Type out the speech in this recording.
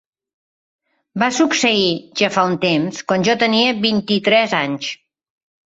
Va succeir ja fa un temps, quan jo tenia vint-i-tres anys.